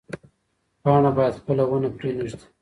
پاڼه باید خپله ونه پرې نه ږدي.